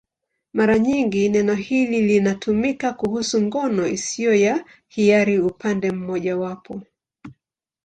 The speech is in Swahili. Mara nyingi neno hili linatumika kuhusu ngono isiyo ya hiari upande mmojawapo.